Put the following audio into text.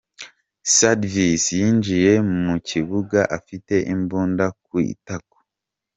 Savvidis yinjiye mu kibuga afite imbunda ku itako.